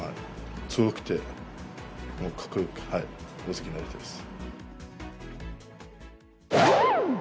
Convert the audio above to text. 強くてかっこいい大関になりたいです。